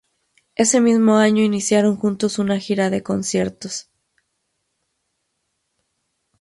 Ese mismo año iniciaron juntos una gira de conciertos.